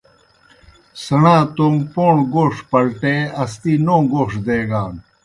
سیْݨا توموْ پوݨوْ گوݜ پلٹے اسدی نوں گوݜ دیگان۔